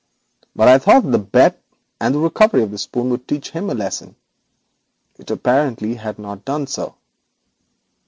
But I thought the bet and the recovery of the spoon would teach him a lesson; it apparently has not done so.